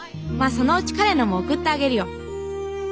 そのうち彼のも送ってあげるよ。